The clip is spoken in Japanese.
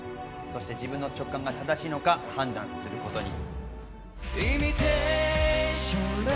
そして自分の直感が正しいのか判断することに。